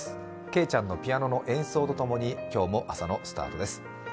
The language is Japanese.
けいちゃんのピアノ演奏と共に今日も朝のスタートです。